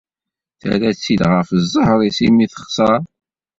Terra-tt-id ɣef ẓẓher-is mi texser.